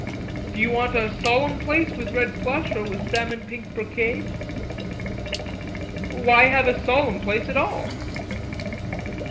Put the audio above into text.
"Do you want a solemn place with red plush or with salmon pink brocade?" "Why have a solemn place at all?"